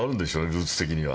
ルーツ的には。